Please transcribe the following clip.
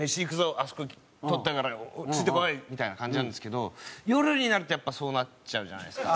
「あそこ取ったからついてこい」みたいな感じなんですけど夜になるとやっぱそうなっちゃうじゃないですか。